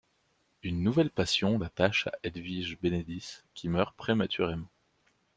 Une nouvelle passion l'attache à Hedwige Benedis, qui meurt prématurément.